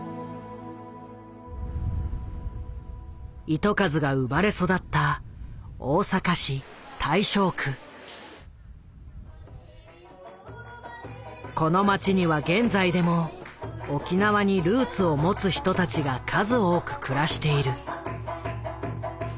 糸数が生まれ育ったこの街には現在でも沖縄にルーツを持つ人たちが数多く暮らしている。